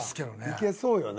いけそうよね。